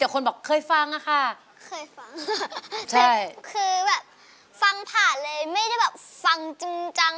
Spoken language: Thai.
ดันแบบฟังผ่านเลยไม่ด้วยแบบฟังจริง